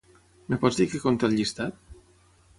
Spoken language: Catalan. Em pots dir què conté el llistat?